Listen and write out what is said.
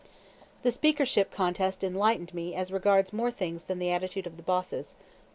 The Speakership contest enlightened me as regards more things than the attitude of the bosses.